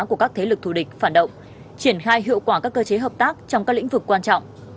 của các thế lực thù địch phản động triển khai hiệu quả các cơ chế hợp tác trong các lĩnh vực quan trọng